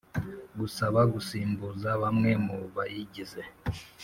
Gusaba Gusimbuza Bamwe Mu Bayigize